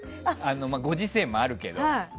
ご時世もあるけど。